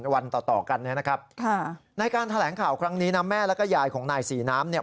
นายศรีน้ำรับสาภาพต่อหน้าแม่และยายของนายศรีน้ำเอง